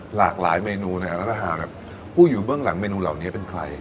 หลากหลายเมนูเนี่ยแล้วถ้าหากผู้อยู่เบื้องหลังเมนูเหล่านี้เป็นใคร